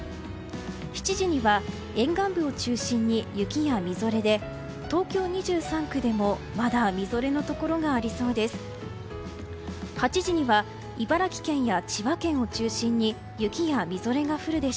７時には、沿岸部を中心に雪やみぞれで東京２３区でもまだみぞれのところがありそうです。